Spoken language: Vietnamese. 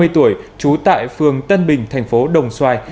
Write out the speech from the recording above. ba mươi tuổi trú tại phường tân bình thành phố đồng xoài